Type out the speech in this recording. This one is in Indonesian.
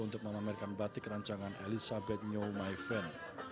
untuk memamerkan batik rancangan elizabeth nyo my fan